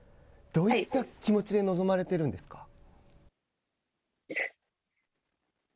どういった気持ちで臨まれてるんですか。